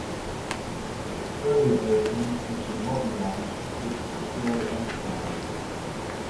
Earlier versions and some modern ones depict the shawl untied.